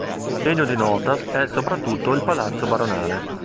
Degno di nota è soprattutto il Palazzo Baronale.